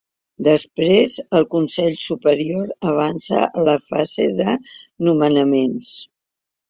Després, el Consell Superior avança a la fase de nomenaments.